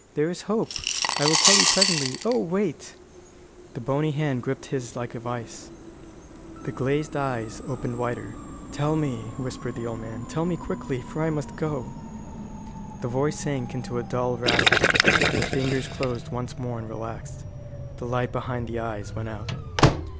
There is hope I will tell you presently oh, wait!" The bony hand gripped his like a vice; the glazed eyes opened wider. "Tell me," whispered the old man; "tell me quickly, for I must go." The voice sank into a dull rattle. The fingers closed once more, and relaxed. The light behind the eyes went out.